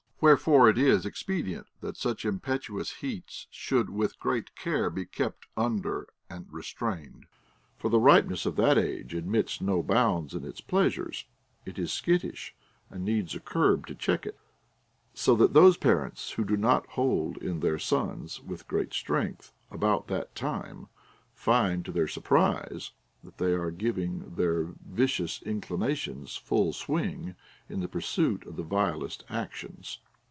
AVherefore it is expedient that such im petuous heats should with great care be kept under and restrained. For the ripeness of that age admits no bounds in its pleasures, is skittish, and needs a curb to check it ; so that those parents ΛνΙιο do not hold in their sons with great strength about that time find to their surprise that they are giving their vicious inclinations full swing in the pursuit of the vilest actions.